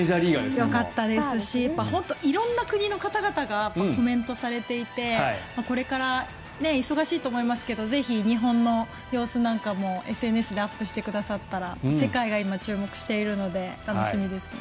かっこよかったですし本当に色んな国の方々がコメントされていてこれから忙しいと思いますけどぜひ日本の様子なんかもＳＮＳなんかでアップしてくださったら世界が今、注目しているので楽しみですね。